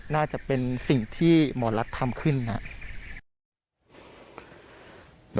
น่าจะเป็นสิ่งที่หมอรัฐทำขึ้นนะครับ